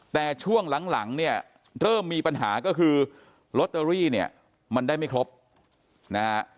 แต่ช่วงหลังเนี่ยเริ่มมีปัญหาก็คือลอตเตอรี่เนี่ยมันได้ไม่ครบนะฮะ